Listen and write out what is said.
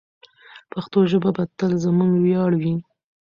پښتو ژبه به تل زموږ ویاړ وي.